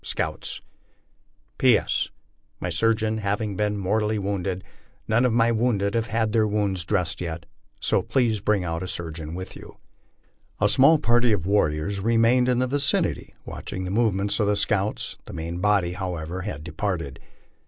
Scouts P. S. My surgeon having been mortally wounded, none of my wounded have had their wounds dressed yet, so please bring out a surgeon with you. A small party of warriors remained in the vicinity watching the movements of the scouts; the main body, however, had departed.